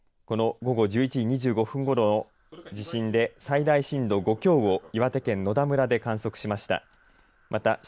この午後１１時２５分ごろの地震で最大震度５強を岩手県野田村で観測しました。